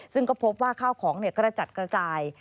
ซึ่งก็พบว่าข้าวของกระจัดกระจาย